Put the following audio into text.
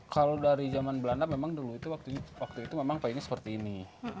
kalau dari zaman belanda memang dulu itu waktu itu memang payungnya seperti ini